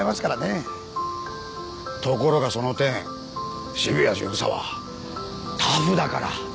ところがその点渋谷巡査はタフだから。